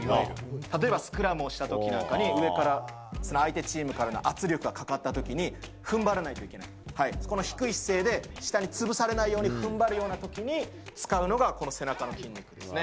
例えばスクラムをしたときなんかに、相手チームからの圧力がかかったときに、ふんばらないといけない、この低い姿勢で下に潰されないようにふんばるようなときに使うのが、この背中の筋肉ですね。